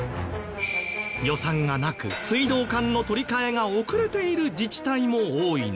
予算がなく水道管の取り換えが遅れている自治体も多いんです。